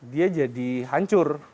dia jadi hancur